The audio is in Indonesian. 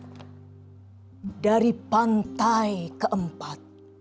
hai dari pantai keempat